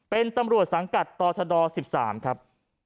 เป็นตำรวจสังกัดต่อชด๑๓ครับ